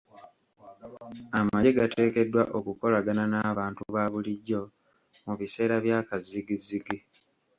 Amagye gateekeddwa okukolagana n’abantu baabulijjo mu biseera byakazzigizzigi.